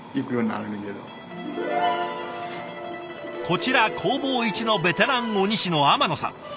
こちら工房一のベテラン鬼師の天野さん。